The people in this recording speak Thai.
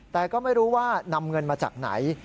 แต่ก็ไม่รู้ว่านำเงินมาจากไหน